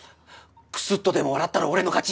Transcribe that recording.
クスッとでも笑ったら俺の勝ち。